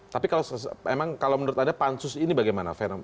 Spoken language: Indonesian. tapi kalau memang kalau menurut anda pansus ini bagaimana